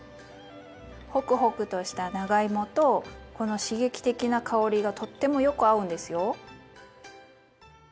ホクホクとした長芋とこの刺激的な香りがとってもよく合うんですよ。